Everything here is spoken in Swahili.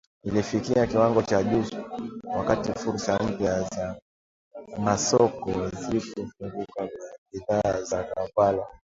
ilifikia kiwango cha juu, wakati fursa mpya za masoko zilipofunguka kwa bidhaa za Kampala